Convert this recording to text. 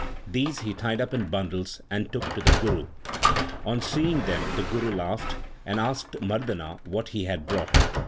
These he tied up in bundles and took to the Guru. On seeing them the Guru laughed, and asked Mardana what he had brought.